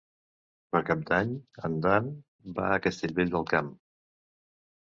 Per Cap d'Any en Dan va a Castellvell del Camp.